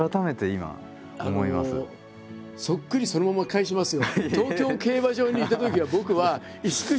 そっくりそのまま返しますよ。